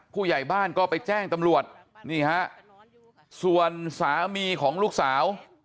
ผู้ใหญ่บ้านก็ไปแจ้งตำรวจนี่ฮะส่วนสามีของลูกสาว